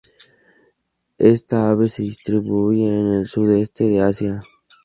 Esta ave se distribuye en el sudeste de Asia.